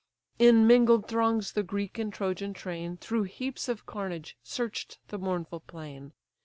In mingled throngs the Greek and Trojan train Through heaps of carnage search'd the mournful plain.